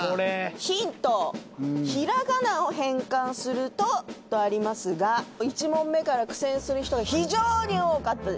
ヒントひらがなを変換するととありますが、１問目から苦戦する人が非常に多かったです。